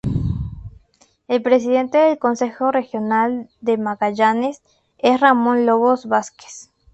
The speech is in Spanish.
El presidente del Consejo Regional de Magallanes es Ramón Lobos Vásquez.